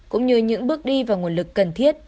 cũng như những bước đi và nguồn lực cần thiết